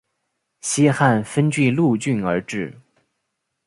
西汉分钜鹿郡而置。